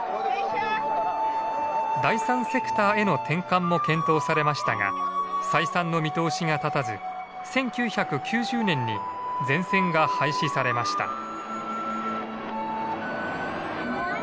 第３セクターへの転換も検討されましたが採算の見通しが立たず１９９０年に全線が廃止されました。